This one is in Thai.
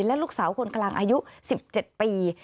และลูกสาวคนกลางอายุ๑๗ปี